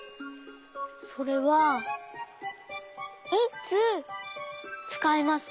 それはいつつかいますか？